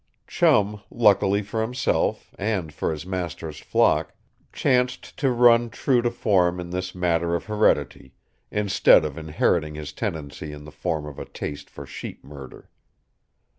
Chum, luckily for himself and for his master's flock, chanced to run true to form in this matter of heredity, instead of inheriting his tendency in the form of a taste for sheep murder.